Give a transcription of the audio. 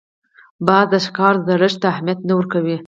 باز د ښکار زړښت ته اهمیت نه ورکوي